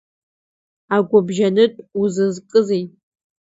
Агәыбжьанытә узызкызеи?